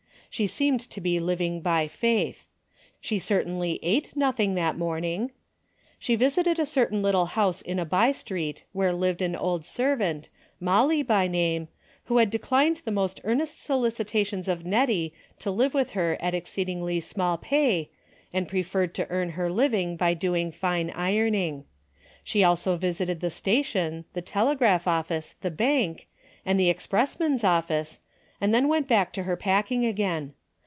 She seemed to be liv ing by faith. She certainly ate nothing that morning. She visited a certain little house in a by street where lived an old servant, Molly by name, who had declined the most earnest solicitations of Hettie to live with her at ex ceedingly small pay, and preferred to earn her living by doing fine ironing. She also visited the station, the telegraph office, the bank, and the expressman's office, and then went back to her packing again.